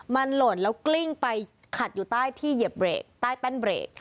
มันหล่นแล้วกลิ้งไปขัดอยู่ใต้ที่เหยียบเบรกใต้แป้นเบรก